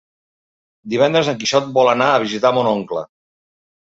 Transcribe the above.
Divendres en Quixot vol anar a visitar mon oncle.